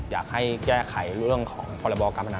อยากให้แก้ไขเรื่องของพรบการพนัน